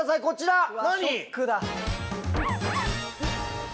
こちら。